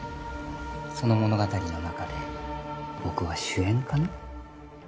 その物語の中で僕は主演かな？